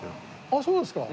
あっそうなんですか。